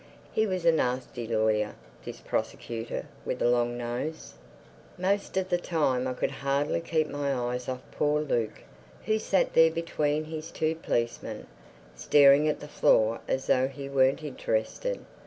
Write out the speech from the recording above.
He was a nasty lawyer, this Prosecutor, with a long nose. Most of the time I could hardly keep my eyes off poor Luke, who sat there between his two policemen, staring at the floor as though he weren't interested.